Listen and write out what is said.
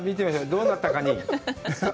どうなったカニ？